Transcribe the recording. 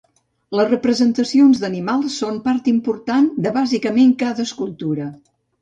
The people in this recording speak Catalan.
Les representacions d'animals són part important de, bàsicament, cada escultura.